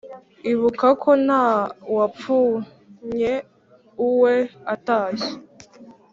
Ibuka ko nta wapfunye uwe atashye